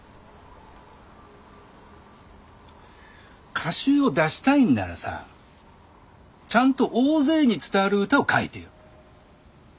歌集を出したいんならさちゃんと大勢に伝わる歌を書いてよ。